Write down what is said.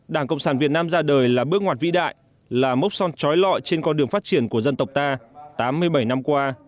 đảng cộng sản việt nam ra đời là bước ngoặt vĩ đại là mốc son trói lọi trên con đường phát triển của dân tộc ta tám mươi bảy năm qua